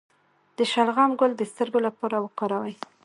د شلغم ګل د سترګو لپاره وکاروئ